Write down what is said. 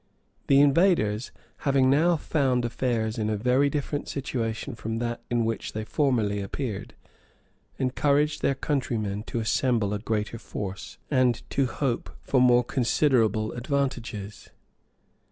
The invaders, having now found affairs in a very different situation from that in which they formerly appeared, encouraged their countrymen to assemble a greater force, and to hope for more considerable advantages.